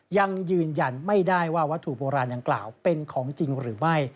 ยังยืนยันไม่ได้ว่าวัตถุโบราณดังกล่าวเป็นของจริงหรือไม่